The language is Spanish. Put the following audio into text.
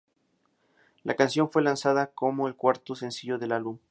La canción fue lanzada como el cuarto sencillo del álbum.